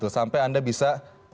sampai anda bisa